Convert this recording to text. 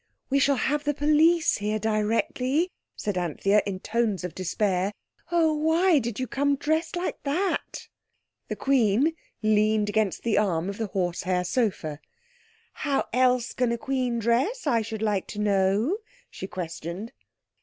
"We shall have the police here directly," said Anthea in the tones of despair. "Oh, why did you come dressed like that?" The Queen leaned against the arm of the horse hair sofa. "How else can a queen dress I should like to know?" she questioned.